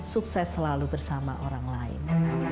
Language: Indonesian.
sukses selalu bersama orang lain